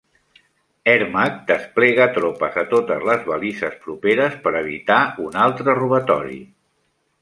Hermack desplega tropes a totes les balises properes per evitar un altre robatori.